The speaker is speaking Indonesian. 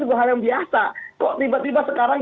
itu hal yang biasa kok tiba tiba sekarang